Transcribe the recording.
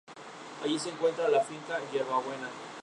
Allí se encuentra la finca Yerbabuena.